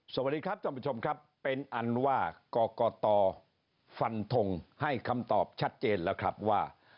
สวัสดีครับท่านผู้ชมครับเป็นอันว่ากรกตฟันทงให้คำตอบชัดเจนแล้วครับว่า